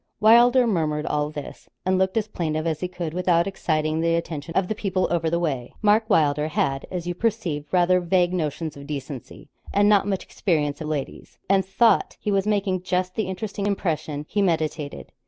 Wylder murmured all this, and looked as plaintive as he could without exciting the attention of the people over the way. Mark Wylder had, as you perceive, rather vague notions of decency, and not much experience of ladies; and thought he was making just the interesting impression he meditated.